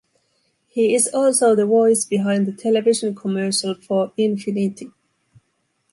He is also the voice behind the television commercials for Infiniti.